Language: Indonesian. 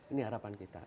ini harapan kita